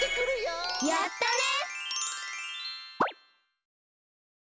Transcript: やったね！